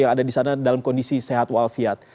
yang ada di sana dalam kondisi sehat wal fiat